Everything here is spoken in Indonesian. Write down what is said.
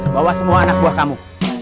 bawa semua anak buah kamu